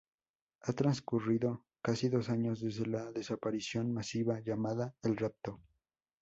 Han transcurrido casi dos años desde la desaparición masiva, llamada el Rapto.